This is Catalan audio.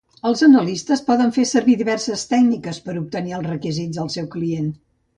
Els analistes poden fer servir diverses tècniques per a obtenir els requisits del seu client.